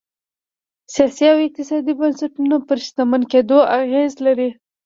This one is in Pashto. سیاسي او اقتصادي بنسټونه پر شتمن کېدو اغېز لري.